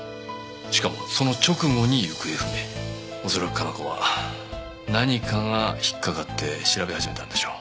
しかもその直後に行方不明恐らく加奈子は何かが引っ掛かって調べ始めたんでしょう